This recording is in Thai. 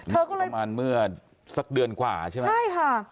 ประมาณเมื่อสักเดือนกว่าใช่ไหมใช่ค่ะ